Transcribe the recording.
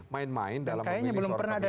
main main dalam kayanya belum pernah ada